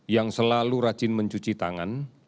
yang selalu rajin mencuci tangan